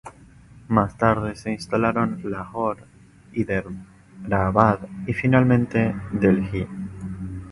Más tarde, se instalaron en Lahore, Hyderabad y finalmente Delhi.